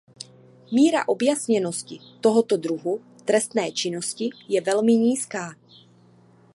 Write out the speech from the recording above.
Míra objasněnosti tohoto druhu trestné činnosti je velmi nízká.